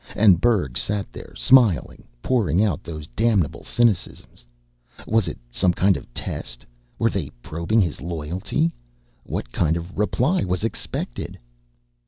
And Berg sat there, smiling, pouring out those damnable cynicisms. Was it some kind of test? Were they probing his loyalty? What kind of reply was expected?